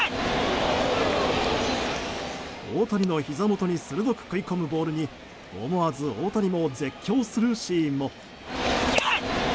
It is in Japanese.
大谷のひざ元に鋭く食い込むボールに思わず大谷も絶叫するシーンも。